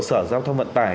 sở giao thông vận tải